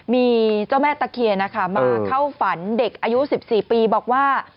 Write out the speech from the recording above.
มีเจ้าแม่ตะเคียนนะคะมาเข้าฝันเด็กอายุ๑๔ปีบอกว่า